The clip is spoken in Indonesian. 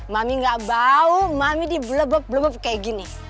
mami gak bau mami dibelebeb belebeb kayak gini